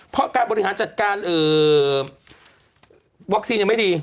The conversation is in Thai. เพราะการบริหารจัดการวัคซีนยังไม่ดี